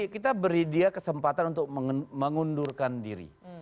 kita beri dia kesempatan untuk mengundurkan diri